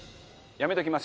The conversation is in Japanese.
「やめときます」